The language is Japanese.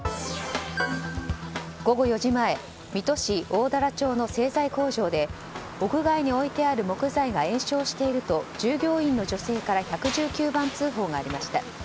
午後４時前、水戸市大足町の製材工場で屋外に置いてある木材が延焼していると従業員の女性から１１９番通報がありました。